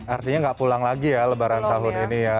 artinya nggak pulang lagi ya lebaran tahun ini ya